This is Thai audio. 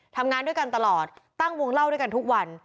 ทำงานด้วยกันตลอดตั้งวงเล่าด้วยกันทุกวัน